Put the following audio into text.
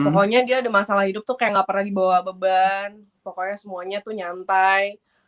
pokoknya dia ada masalah hidup tuh kayak gak pernah dibawa beban pokoknya semuanya tuh nyantai